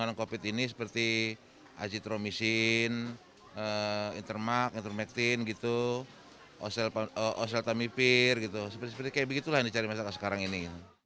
pesanan covid ini seperti azitromicin intermactin oseltamipir seperti seperti kayak begitulah yang dicari masyarakat sekarang ini